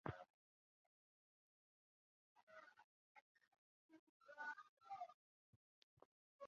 包箨矢竹为禾本科青篱竹属下的一个种。